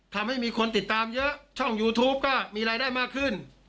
ทำให้มีคนติดตามเยอะช่องยูทูปก็มีรายได้มากขึ้น